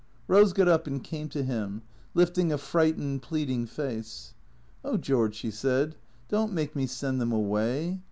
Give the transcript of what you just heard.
Eose got up and came to him, lifting a frightened, pleading face. " Oh, George," she said, " don't make me send them away.